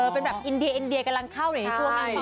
เป็นแบบอินเดียกำลังเข้าตรงนี้เท่าไหน